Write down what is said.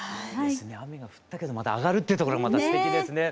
雨が降ったけどまたあがるっていうところがまたすてきですね。